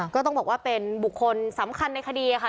ก็ต้องบอกว่าเป็นบุคคลสำคัญในคดีค่ะ